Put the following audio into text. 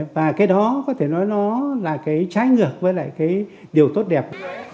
và cái đó có thể nói nó là cái trái ngược với lại cái điều tốt đẹp